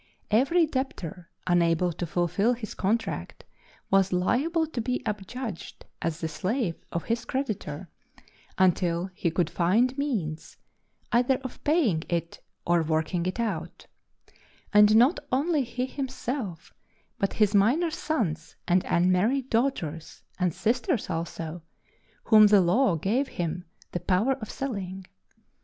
Every debtor unable to fulfil his contract was liable to be adjudged as the slave of his creditor, until he could find means either of paying it or working it out; and not only he himself, but his minor sons and unmarried daughters and sisters also, whom the law gave him the power of selling.